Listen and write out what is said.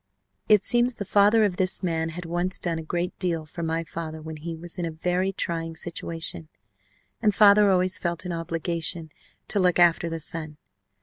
It seems the father of this man had once done a great deal for my father when he was in a very trying situation, and father always felt an obligation to look after the son.